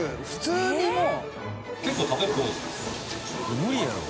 無理やろ。